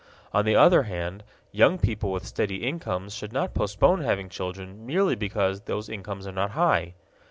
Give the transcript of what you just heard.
On the other hand, young people with steady incomes should not postpone having children merely because those incomes are not high.